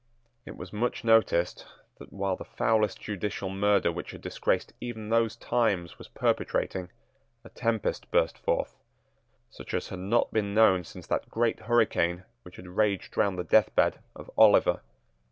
It was much noticed that, while the foulest judicial murder which had disgraced even those times was perpetrating, a tempest burst forth, such as had not been known since that great hurricane which had raged round the deathbed of Oliver.